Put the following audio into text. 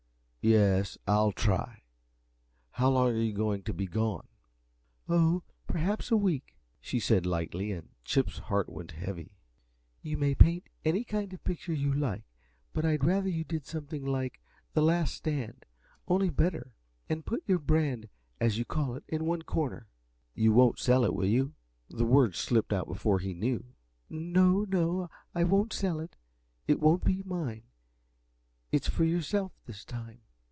"Yes, I'll try. How long are you going to be gone?" "Oh, perhaps a week," she said, lightly, and Chip's heart went heavy. "You may paint any kind of picture you like, but I'd rather you did something like 'The Last Stand' only better. And put your brand, as you call it, in one corner." "You won't sell it, will you?" The words slipped out before he knew. "No no, I won't sell it, for it won't be mine. It's for yourself this time."